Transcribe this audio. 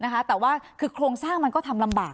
แต่ว่าคือโครงสร้างมันก็ทำลำบาก